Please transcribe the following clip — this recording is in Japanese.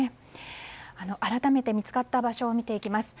改めて見つかった場所を見ていきます。